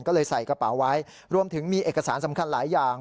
ก็เลยใส่กระเป๋าไว้รวมถึงมีเอกสารสำคัญหลายอย่าง